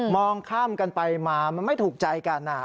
ข้ามกันไปมามันไม่ถูกใจกัน